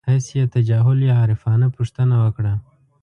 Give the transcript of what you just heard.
هسې یې تجاهل العارفانه پوښتنه وکړه.